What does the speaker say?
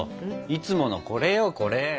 いつものこれよこれ！